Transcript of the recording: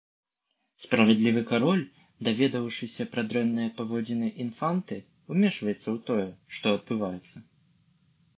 Справядлівы кароль, даведаўшыся пра дрэнныя паводзіны інфанты, умешваецца ў тое, што адбываецца.